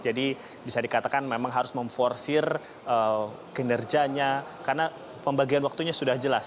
jadi bisa dikatakan memang harus memforsir kinerjanya karena pembagian waktunya sudah jelas